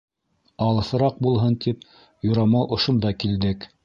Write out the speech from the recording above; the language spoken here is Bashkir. Алыҫыраҡ булһын тип, юрамал ошонда килдек.